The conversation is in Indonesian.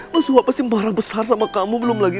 mas uap pasti marah besar sama kamu belum lagi